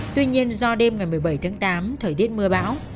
tuy nhiên do đêm ngày một mươi bảy tháng tám thời tiết mưa bão